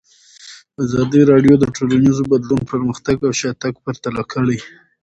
ازادي راډیو د ټولنیز بدلون پرمختګ او شاتګ پرتله کړی.